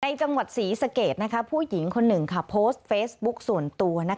จังหวัดศรีสะเกดผู้หญิงคนหนึ่งโพสต์เฟซบุ๊คส่วนตัว